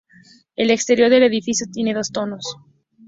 El exterior del edificio tiene dos tonos.